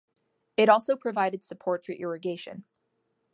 It also provided support for irrigation.